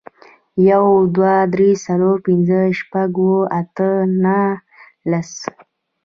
یو, دوه, درې, څلور, پنځه, شپږ, اووه, اته, نهه, لس